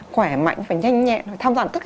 khỏe mạnh phải nhanh nhẹn tham gia tất cả